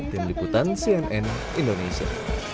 tim liputan cnn indonesia